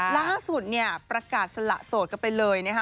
ล่าสุดเนี่ยประกาศสละโสดกันไปเลยนะคะ